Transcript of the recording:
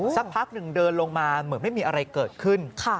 สักพักหนึ่งเดินลงมาเหมือนไม่มีอะไรเกิดขึ้น